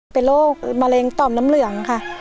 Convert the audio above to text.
เป็นโรคมะเร็งต่อมน้ำเหลืองค่ะ